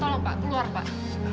tolong pak keluar pak